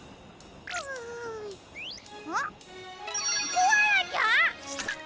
コアラちゃん！？